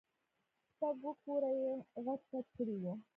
شپږ اوه كوره يې خچ پچ كړي وو.